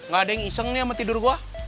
gak ada yang iseng nih sama tidur gua